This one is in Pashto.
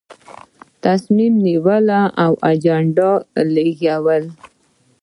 تصمیم نیونه او د اجنډا لیږل.